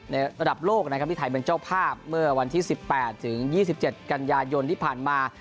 ระดับโลกนะครับที่ไทยเป็นเจ้าภาพเมื่อวันที่๑๘ถึง๒๗กันยายนที่ผ่านมา